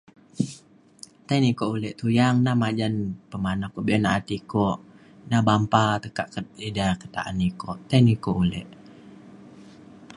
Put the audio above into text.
tai na iko ulek tuyang na majan pemanak ko be’un ati ko na bampa tekak ida ke ta’an iko. tai na iko ulek.